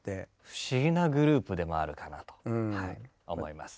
不思議なグループでもあるかなとはい思います。